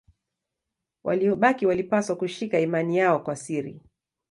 Waliobaki walipaswa kushika imani yao kwa siri.